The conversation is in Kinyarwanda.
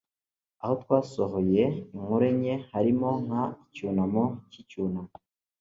aho twasohoye inkuru enye harimo nka Icyunamo cyicyunamo